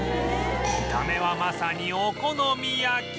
見た目はまさにお好み焼き